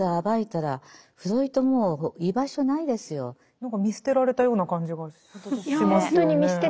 何か見捨てられたような感じがしますよね。